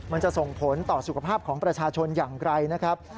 มันจะส่งผลต่อสุขภาพของประชาชนอย่างไกลนะครับ